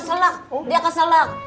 oh dia keselak